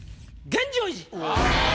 現状維持！